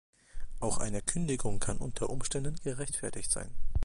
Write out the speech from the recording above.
Auch eine Kündigung kann unter Umständen gerechtfertigt sein.